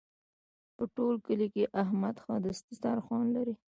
په ټول کلي کې احمد ښه دسترخوان لري.